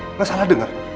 nggak salah denger